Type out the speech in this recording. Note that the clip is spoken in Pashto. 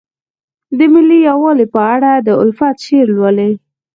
د ملي یووالي په اړه د الفت شعر لولئ.